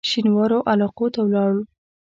شینوارو علاقو ته ولاړ.